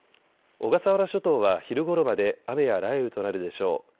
小笠原諸島は昼ごろまで雨や雷雨となるでしょう。